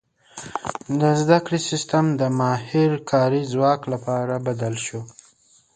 • د زده کړې سیستم د ماهر کاري ځواک لپاره بدل شو.